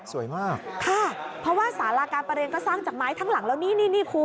สวยมากค่ะเพราะว่าสาราการประเรียนก็สร้างจากไม้ทั้งหลังแล้วนี่นี่คุณ